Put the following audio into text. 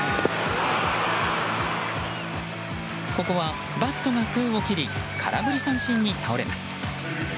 ここはバットが空を切り空振り三振に倒れます。